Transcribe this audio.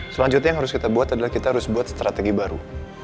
selanjutnya yang harus kita buat adalah kita harus buat strategi baru